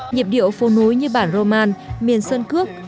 nhịp điệu phố núi như bản roman miền sơn cước